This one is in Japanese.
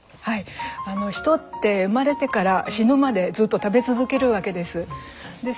人って生まれてから死ぬまでずっと食べ続けるわけです。